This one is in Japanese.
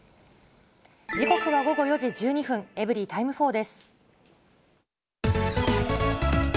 時刻は午後４時１２分、エブリィタイム４です。